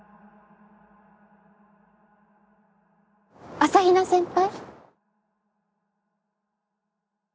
朝日奈先輩？